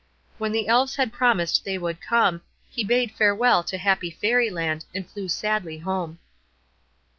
When the Elves had promised they would come, he bade farewell to happy Fairy Land, and flew sadly home.